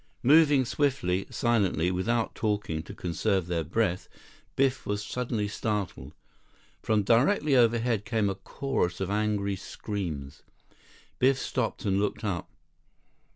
71 Moving swiftly, silently, without talking, to conserve their breath, Biff was suddenly startled. From directly overhead came a chorus of angry screams. Biff stopped and looked up.